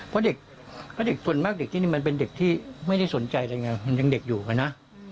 เพราะเด็กเพราะเด็กส่วนมากเด็กที่นี่มันเป็นเด็กที่ไม่ได้สนใจอะไรไงมันยังเด็กอยู่อะนะ